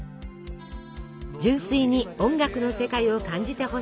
純粋に音楽の世界を感じてほしい！